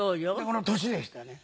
この年でしたね。